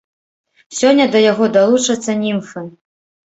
Сёння да яго далучацца німфы.